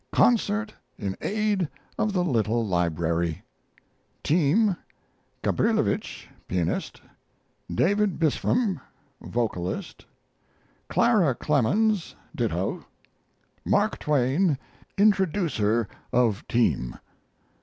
Concert in aid of the little library. TEAM Gabrilowitsch, pianist. David Bispham, vocalist. Clara Clemens, ditto. Mark Twain, introduces of team.